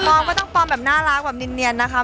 น้องก็ต้องปลอมแบบน่ารักแบบเนียนนะคะ